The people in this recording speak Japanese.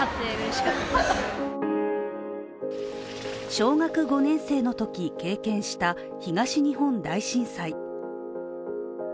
小学５年生のとき、経験した東日本大震災。